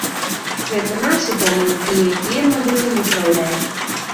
Гэта нашы памылкі, якія мы будзем выпраўляць.